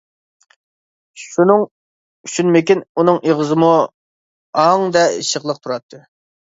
شۇنىڭ ئۈچۈنمىكىن، ئۇنىڭ ئېغىزىمۇ ھاڭدەك ئېچىقلىق تۇراتتى.